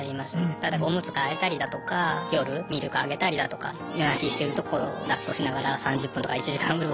ただおむつ替えたりだとか夜ミルクあげたりだとか夜泣きしてるところをだっこしながら３０分とか１時間うろうろするだとか。